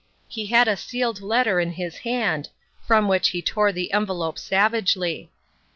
He had a sealed letter in his hand, from which he tore the envelope savagely.